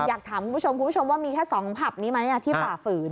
อยากถามคุณผู้ชมว่ามีแค่๒หัวขับนี้ไหมที่ฝ่าฝืน